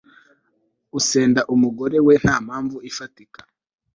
usenda umugore we nta mpamvu ifatika